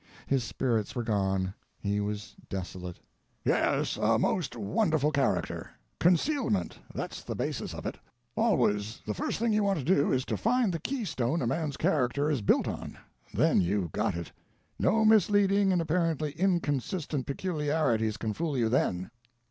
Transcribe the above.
His spirits were gone, he was desolate. "Yes, a most wonderful character. Concealment—that's the basis of it. Always the first thing you want to do is to find the keystone a man's character is built on—then you've got it. No misleading and apparently inconsistent peculiarities can fool you then.